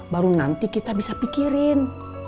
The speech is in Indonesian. baru nanti kita bisa pikirin